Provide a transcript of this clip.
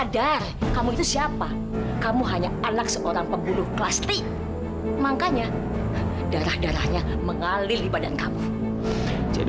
dua orang keoftes yang terboleh padahal